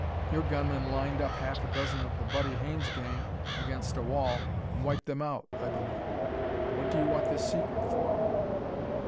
Your gunmen lined up half a dozen of the Buddy Haines gang against a wall and wiped them out, I believe. What do you want this secret for?"